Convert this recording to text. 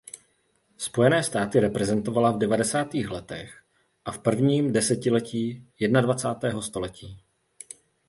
Spojené státy reprezentovala v devadesátých letech a v prvním desetiletí jednadvacátého století.